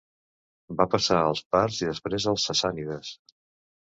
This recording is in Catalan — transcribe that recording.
Va passar als parts i després als sassànides.